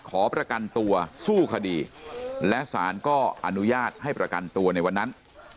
ขอประกันตัวสู้คดีและสารก็อนุญาตให้ประกันตัวในวันนั้น